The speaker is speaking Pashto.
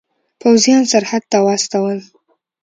پوځیان سرحد ته واستول.